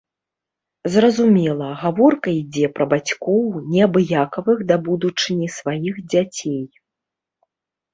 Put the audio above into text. Зразумела, гаворка ідзе пра бацькоў, неабыякавых да будучыні сваіх дзяцей.